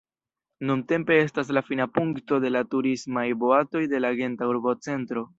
Nuntempe estas la fina punkto de la turismaj boatoj de la Genta urbocentro.